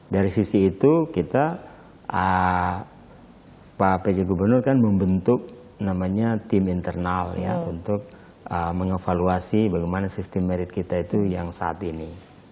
dari sisi itu kita pak pj gubernur kan membentuk namanya tim internal ya untuk mengevaluasi bagaimana sistem merit kita itu yang saat ini